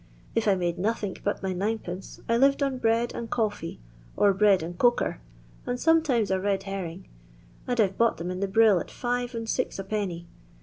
If I made nothink but my ninepences, I lived on bread and cawfee, or bread and coker, and some times a red herring, and I 've bought 'em in the Brill at five and six a penny.